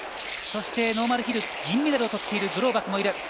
そして、ノーマルヒル銀メダルをとっているグローバクもいる。